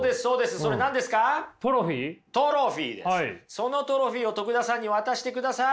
そのトロフィーを徳田さんに渡してください。